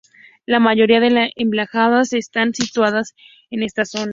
La mayoría de las embajadas están situadas en esta zona.